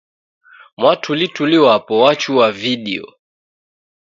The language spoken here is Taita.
Mwatulituli wapo wachua vidio